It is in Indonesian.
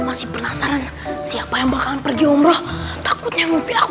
assalamualaikum pak kiai